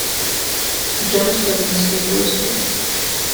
Johnson Musinguzi